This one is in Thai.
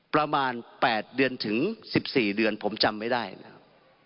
ประมาณ๘เดือนถึง๑๔เดือนผมจำไม่ได้นะครับ